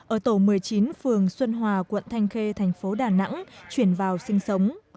ở tổ một mươi chín phường xuân hòa quận thanh khê thành phố đà nẵng chuyển vào sinh sống